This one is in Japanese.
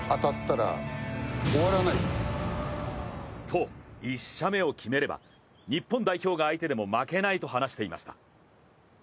と１射目を決めれば日本代表が相手でも負けないと話していました。